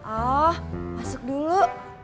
oh masuk dulu